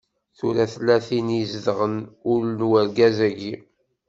Tura tella tin izedɣen ul n urgaz-agi.